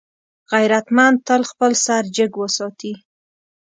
غیرتمند تل خپل سر جګ وساتي